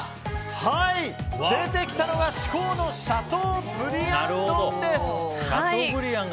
出てきたのが至高のシャトーブリアン丼です。